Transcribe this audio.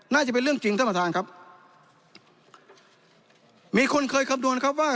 น่าจะเป็นเรื่องจริงท่านประธานครับมีคนเคยคำนวณครับว่า